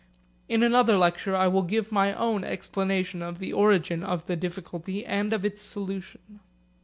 In another lecture I will give my own explanation of the origin of the difficulty and of its solution.